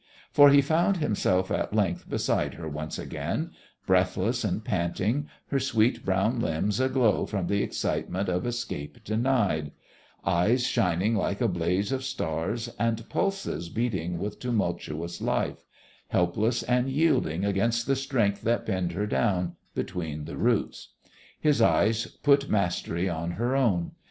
For he found himself at length beside her once again; breathless and panting, her sweet brown limbs aglow from the excitement of escape denied; eyes shining like a blaze of stars, and pulses beating with tumultuous life helpless and yielding against the strength that pinned her down between the roots. His eyes put mastery on her own.